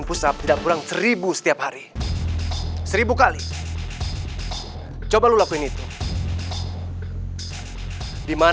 beranian gue harus beranian